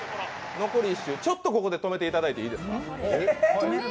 残り１周、ちょっとここで止めていただいていいですか。